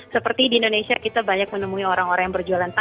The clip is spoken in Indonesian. seperti di indonesia kita banyak menemui orang orang yang berjualan